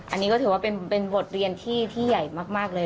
อันนี้ก็ถือว่าเป็นบทเรียนที่ใหญ่มากเลย